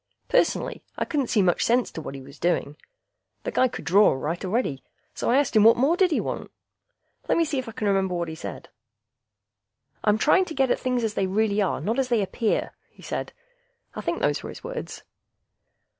Personally, I couldn't see much sense to what he was doing. The guy could draw all right already, so I asked him what more did he want? Lemme see if I can remember what he said. "I'm trying to get at things as they really are, not as they appear," he said. I think those were his words.